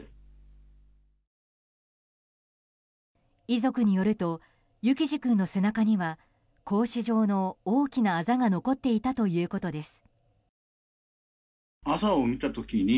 遺族によると幸士君の背中には格子状の大きなあざが残っていたということです。